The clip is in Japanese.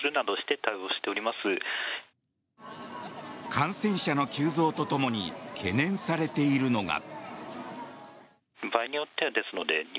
感染者の急増とともに懸念されているのが。